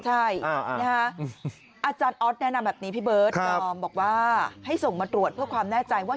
ใช่อาจารย์ออสแนะนำแบบนี้พี่เบิร์ดดอมบอกว่าให้ส่งมาตรวจเพื่อความแน่ใจว่า